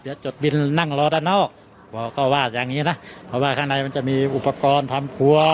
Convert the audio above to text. เดี๋ยวจดบินนั่งรอด้านนอกบอกก็ว่าอย่างนี้นะเพราะว่าข้างในมันจะมีอุปกรณ์ทำครัว